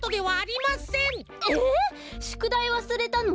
えっしゅくだいわすれたの！？